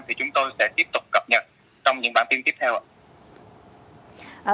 thì chúng tôi sẽ tiếp tục cập nhật trong những bản tin tiếp theo ạ